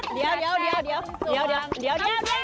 เดี๋ยวเดี๋ยวเดี๋ยว